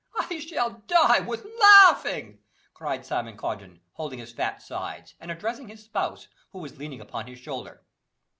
"I shall die with laughing," cried Simon Quanden, holding his fat sides, and addressing his spouse, who was leaning upon his shoulder.